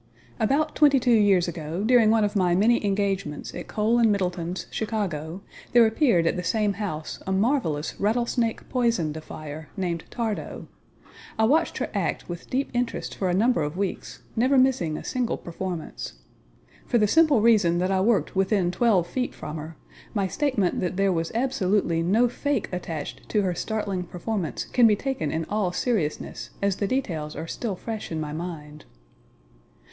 About twenty two years ago, during one of my many engagements at Kohl and Middleton's, Chicago, there appeared at the same house a marvelous "rattle snake poison defier" named Thardo. I watched her act with deep interest for a number of weeks, never missing a single performance. For the simple reason that I worked within twelve feet from her, my statement that there was absolutely no fake attached to her startling performance can be taken in all seriousness, as the details are still fresh in my mind.